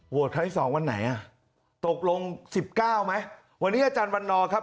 โหวตคันที่๒วันไหนอ่ะตกลง๑๙ไหมวันนี้อาจารย์วันนอลครับ